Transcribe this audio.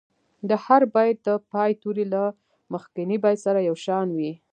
د هر بیت د پای توري له مخکني بیت سره یو شان وي.